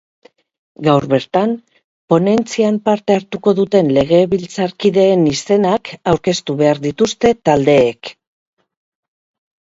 Gaur bertan, ponentzian parte hartuko duten legebiltzarkideen izenak aurkeztu behar dituzte taldeek.